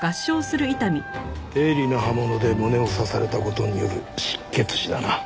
鋭利な刃物で胸を刺された事による失血死だな。